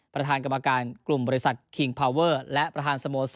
ประธานกรรมการกลุ่มบริษัทคิงพาวเวอร์และประธานสโมสร